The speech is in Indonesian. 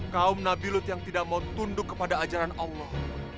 kaum nabilut yang tidak mau tunduk kepada ajaran allah